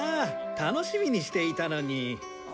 楽しみにしていたのに。